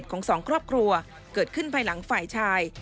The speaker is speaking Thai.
เสจของสองครอบครัวหลังฝ่ายชาย